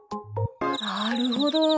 なるほど。